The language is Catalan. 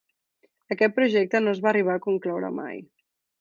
Aquest projecte no es va arribar a concloure mai.